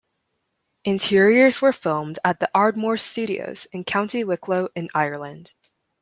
Interiors were filmed at the Ardmore Studios in County Wicklow in Ireland.